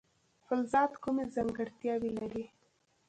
فلزات کومې ځانګړتیاوې لري.